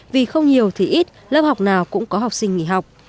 vì không nhiều thì ít lớp học nào cũng có học sinh nghỉ học